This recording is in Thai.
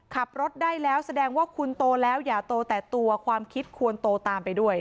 ขับรถได้แล้วแสดงว่าคุณโตแล้วอย่าโตแต่ตัวความคิดควรโตตามไปด้วย